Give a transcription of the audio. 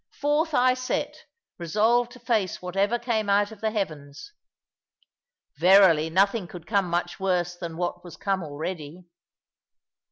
forth I set, resolved to face whatever came out of the heavens. Verily nothing could come much worse than what was come already.